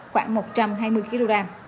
khoảng một trăm hai mươi kg